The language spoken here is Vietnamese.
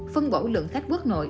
phân bổ lượng khách quốc nội